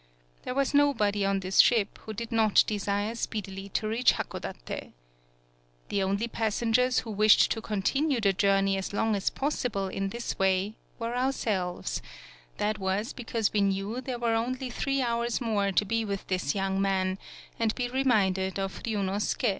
There was nobody on this ship who did not desire speedily to reach Hakodate. The only passengers who wished to continue the journey as long as possible in this way were ourselves; that was because we knew there were only three hours more to be with this young man, and be re minded of Ryunosuke.